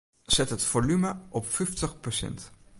Set it folume op fyftich persint.